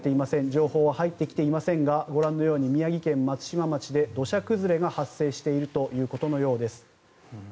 情報は入ってきていませんがご覧のように宮城県松島町で土砂崩れが発生しているということのようです。